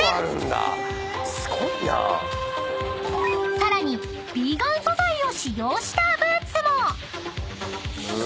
［さらにヴィーガン素材を使用したブーツも］